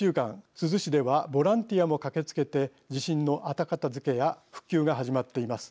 珠洲市ではボランティアも駆けつけて地震の後片づけや復旧が始まっています。